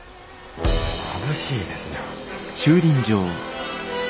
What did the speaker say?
まぶしいですよ。